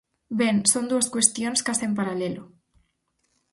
Ben, son dúas cuestións case en paralelo.